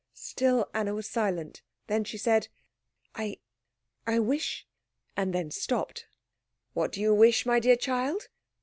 Still Anna was silent. Then she said "I I wish " and then stopped. "What do you wish, my dear child?"